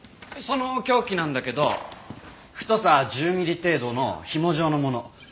その凶器なんだけど太さ１０ミリ程度のひも状のもの。